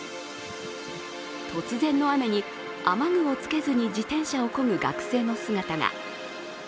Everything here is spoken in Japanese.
突然の雨に雨具をつけずに自転車をこぐ学生の姿が。